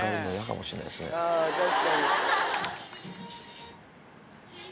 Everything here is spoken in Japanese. あぁ確かに。